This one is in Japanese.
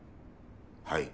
はい。